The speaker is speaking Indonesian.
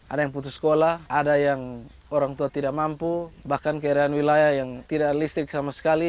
ada yang putus sekolah ada yang orang tua tidak mampu bahkan keadaan wilayah yang tidak listrik sama sekali